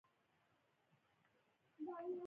بلکې نورو واقعه نګارانو کولې.